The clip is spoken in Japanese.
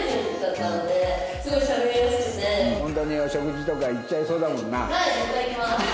ホントにお食事とか行っちゃいそうだもんな。